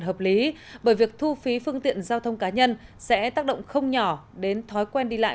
hợp lý bởi việc thu phí phương tiện giao thông cá nhân sẽ tác động không nhỏ đến thói quen đi lại